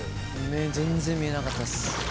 目全然見えなかったです。